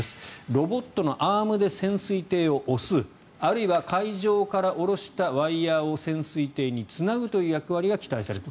ロボットのアームで潜水艇を押すあるいは海上から下ろしたワイヤを潜水艇につなぐという役割が期待される。